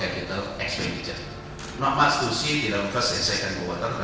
tidak banyak yang dihatikan di dalam persen